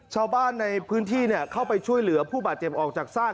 ชาวบ้านในพื้นที่เข้าไปช่วยเหลือผู้บาดเจ็บออกจากซาก